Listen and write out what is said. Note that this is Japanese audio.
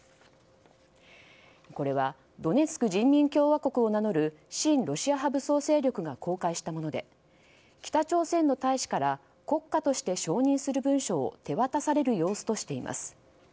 これはドネツク人民共和国を名乗る親ロシア派武装勢力が公開したもので北朝鮮の大使から国家として承認する文書を手渡される様子としています。